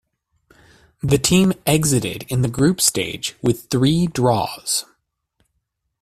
The team exited in the group stage, with three draws.